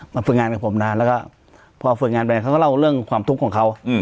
ฝึกงานกับผมนานแล้วก็พอฝึกงานไปเขาก็เล่าเรื่องความทุกข์ของเขา